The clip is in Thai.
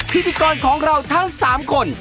พิธีกรของเราทั้ง๓คน